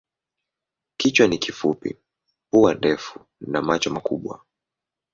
Kichwa ni kifupi, pua ndefu na macho makubwa.